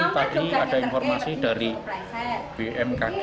tadi ada informasi dari bmkg